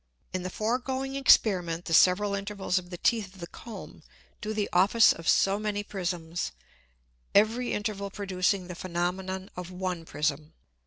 _ 13. In the foregoing Experiment the several Intervals of the Teeth of the Comb do the Office of so many Prisms, every Interval producing the Phænomenon of one Prism.